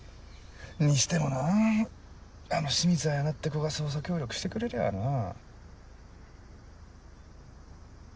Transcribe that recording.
にしてもなあの清水彩菜って子が捜査協力してくれりゃあなぁ。